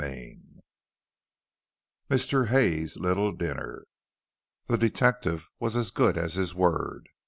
CHAPTER XIV MR. HAY'S LITTLE DINNER The detective was as good as his word.